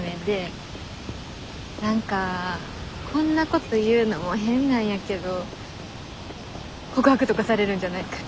何かこんなこと言うのも変なんやけど告白とかされるんじゃないかって。